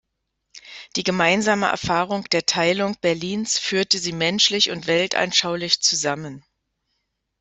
Die gemeinsame Erfahrung der Teilung Berlins führte sie menschlich und weltanschaulich zusammen.